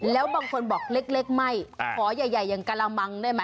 แล้วบางคนบอกเล็กไม่ขอใหญ่อยู่อย่างกะลามังได้มั้ย